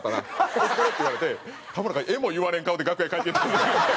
お疲れ！」って言われて田村がえも言われん顔で楽屋へ帰っていった。